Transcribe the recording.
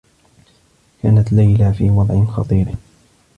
كانت ليلى في وضع خطير.